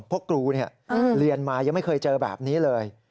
พวกครูเรียนมายังไม่เคยเจอแบบนี้เลย